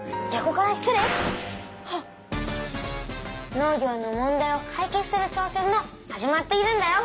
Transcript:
農業の問題をかい決する挑戦も始まっているんだよ。